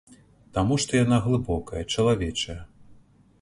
Таму што яна глыбокая, чалавечая.